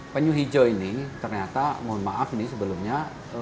penyu hijau ini ternyata mohon maaf nih sebelumnya